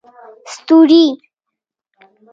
ستوري